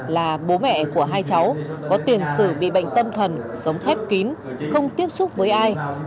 là bố mẹ của hai cháu có tiền sử bị bệnh tâm thần sống khép kín không tiếp xúc với ai